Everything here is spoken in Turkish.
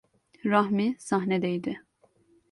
Rahmi sahnedeydi…